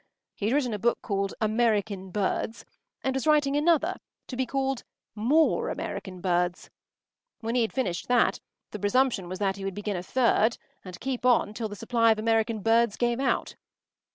He had written a book called American Birds, and was writing another, to be called More American Birds. When he had finished that, the presumption was that he would begin a third, and keep on till the supply of American birds gave out.